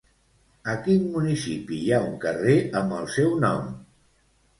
A quin municipi hi ha un carrer amb el seu nom?